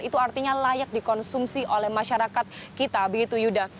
itu artinya layak dikonsumsi oleh masyarakat kita begitu yuda